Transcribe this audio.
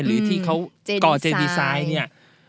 หรือที่เขาก่อเจดิสายเนี่ย